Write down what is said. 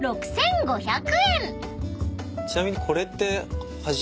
ちなみにこれって。